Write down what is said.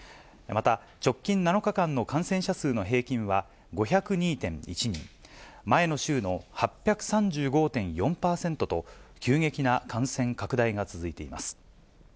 また、直近７日間の感染者数の平均は、５０２．１人、前の週の８３５．４％と、急激な感染拡大が続いています。